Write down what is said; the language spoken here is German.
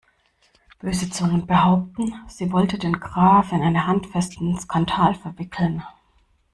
Böse Zungen behaupten, sie wollte den Graf in einen handfesten Skandal verwickeln.